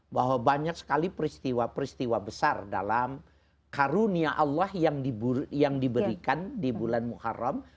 bahwa banyak sekali peristiwa peristiwa besar dalam karunia allah yang diberikan di bulan muharram